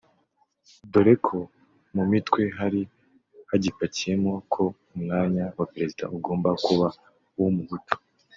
dore ko mu mitwe hari hagipakiyemo ko umwanya wa Perezida ugomba kuba uw’umuhutu